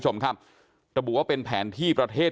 ระบุว่าเป็นแผนที่ประเทศ